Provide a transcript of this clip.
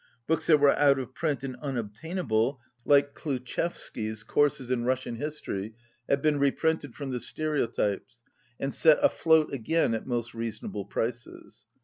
Books that were out of print and unobtainable, like Kliutchevsky's "Courses in Rus sian History," have been reprinted from the stereotypes and set afloat again at most reason able prices.